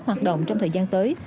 hoạt động trong thời gian tới